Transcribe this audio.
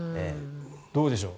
どうでしょう。